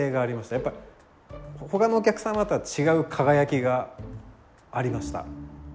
やっぱ他のお客様とは違う輝きがありました。